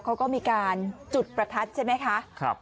เขาก็มีการจุดประทัดใช่ไหมคะ